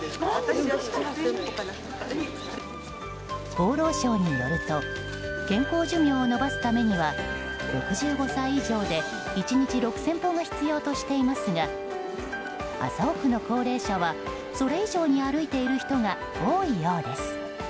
厚労省によると健康寿命を延ばすためには６５歳以上で１日６０００歩が必要としていますが麻生区の高齢者はそれ以上に歩いている人が多いようです。